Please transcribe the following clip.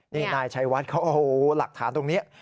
นี่นายชัยวัดเขาเอาหลักฐานตรงนี้